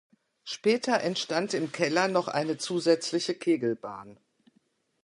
Später entstand im Keller noch eine zusätzliche Kegelbahn.